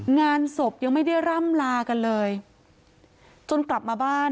งานศพยังไม่ได้ร่ำลากันเลยจนกลับมาบ้าน